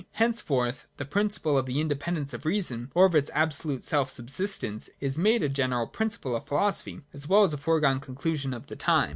Henceforth the principle of the independence of Reason, 6o.J KANT AND FICHTE. 1 19 or of its absolute self subsistence, is made a general principle of philosophy, as well as a foregone conclusion of the time.